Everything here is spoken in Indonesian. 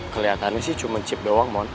keliatannya sih cuman chip doang mon